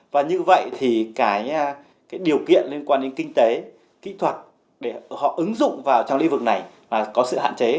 và như vậy thì cái điều kiện liên quan đến kinh tế kỹ thuật để họ ứng dụng vào trong lĩnh vực này là có sự hạn chế